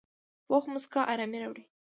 پوخ مسکا آرامي راوړي